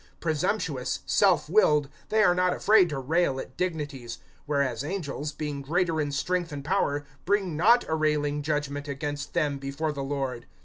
Presumptuous, self willed, they are not afraid to rail at dignities; (11)whereas angels, being greater in strength and power, bring not a railing judgment against them before the Lord.